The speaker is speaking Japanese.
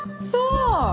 そう！